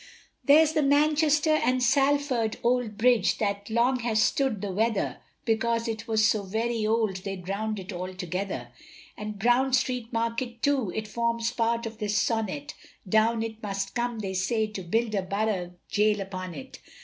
There's the Manchester and Salford old bridge, that long has stood, the weather, Because it was so very old they drown'd it altogether; And Brown street market too, it forms part of this sonnet, Down it must come, they say, to build a borough gaol upon it.